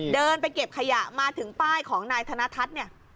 เดินไปเก็บขยะมาถึงป้ายของนายธนทัศน์เนี่ย